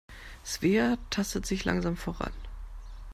Svea tastet sich langsam voran.